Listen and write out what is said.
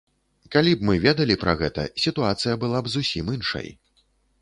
Калі б мы ведалі пра гэта, сітуацыя была б зусім іншай.